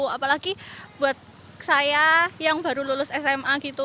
apalagi buat saya yang baru lulus sma gitu